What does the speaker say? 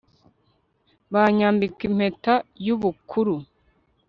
banyambika impeta y'ubukuru